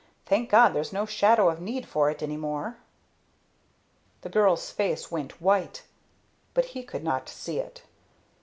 Thank God, there's no shadow of need for it any more!" The girl's face went white, but he could not see it.